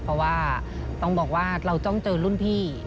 เพราะว่าต้องบอกว่าเราต้องเจอรุ่นพี่